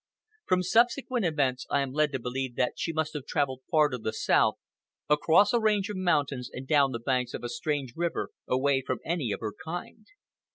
From subsequent events, I am led to believe that she must have travelled far to the south, across a range of mountains and down to the banks of a strange river, away from any of her kind.